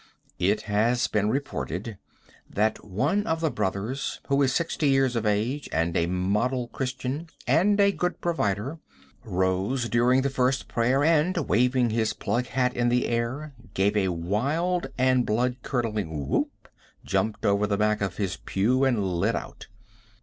It has been reported that one of the brothers, who is sixty years of age, and a model Christian, and a good provider, rose during the first prayer, and, waving his plug hat in the air, gave a wild and blood curdling whoop, jumped over the back of his pew, and lit out.